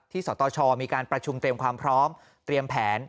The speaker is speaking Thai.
สตชมีการประชุมเตรียมความพร้อมเตรียมแผน